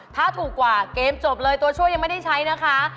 ถ้าถูกกว่าเกมจบเลยตัวช่วยยังไม่ได้ใช้นะคะ